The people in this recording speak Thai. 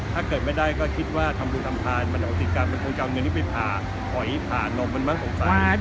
ถ้าเกิดไม่ได้ก็คิดว่าทำรูทำพาลมันเอาติดกรรมันถูกจะเอาเงินที่ไปผ่าหอยผ่านมสิเขา